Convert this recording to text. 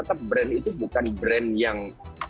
karena brand itu bukan brand yang